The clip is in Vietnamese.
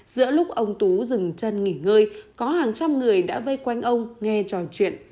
giữa lúc ông tú dừng chân nghỉ ngơi có hàng trăm người đã vây quanh ông nghe trò chuyện